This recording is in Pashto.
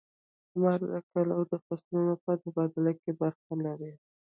• لمر د کال او فصلونو په تبادله کې برخه لري.